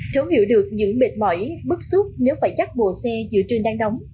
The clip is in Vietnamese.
thấu hiểu được những mệt mỏi bức xúc nếu phải dắt bộ xe giữa trưa đang đóng